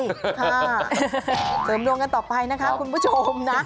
ค่ะเสริมดวงกันต่อไปนะคะคุณผู้ชมนะ